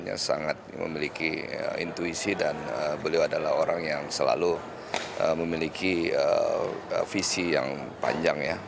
yang sangat memiliki intuisi dan beliau adalah orang yang selalu memiliki visi yang panjang ya